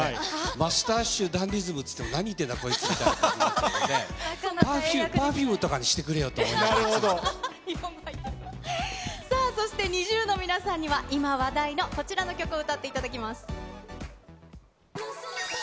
マスターシューダンディズムって言っても何言ってんだ、こいつみたいな感じで、パフュームとかにしてくれよとかって言わさあ、そしてＮｉｚｉＵの皆さんには今話題のこちらの曲を歌っていただきます。